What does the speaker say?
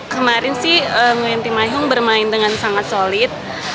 kemarin sih nguyen thi mai hung bermain dengan sangat solid